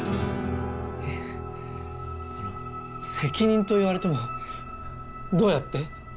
えあの責任と言われてもどうやって？